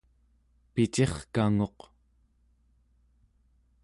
picirkangun